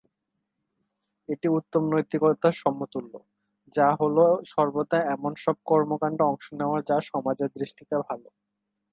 এটি উত্তম নৈতিকতার সমতুল্য, যা হল সর্বদা এমন সব কর্মকাণ্ডে অংশ নেয়া যা সমাজের দৃষ্টিতে ভাল।